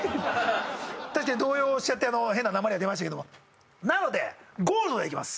確かに動揺しちゃってあの変ななまりが出ましたけどもなのでゴールドでいきます